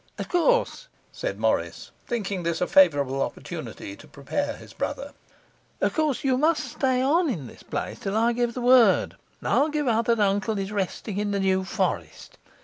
'Of course,' said Morris, thinking this a favourable opportunity to prepare his brother, 'of course you must stay on in this place till I give the word; I'll give out that uncle is resting in the New Forest.